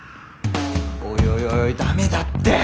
おいおいダメだって。